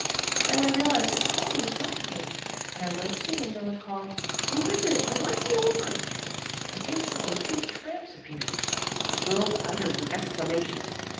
Then I realized that some one was knocking and I went to the window, and called, 'Who is it and what do you want?' And instantly two tramps appeared." The girls uttered an exclamation.